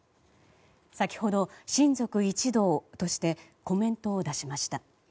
先ほど、親族一同としてコメントを出しました。